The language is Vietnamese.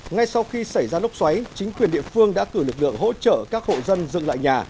ngay sau khi xảy ra lốc xoáy chính quyền địa phương đã cử lực lượng hỗ trợ các hộ dân dựng lại nhà